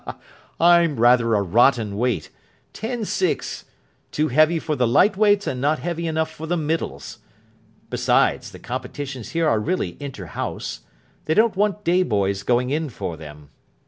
"I'm rather a rotten weight. Ten six. Too heavy for the Light Weights and not heavy enough for the Middles. Besides, the competitions here are really inter house. They don't want day boys going in for them.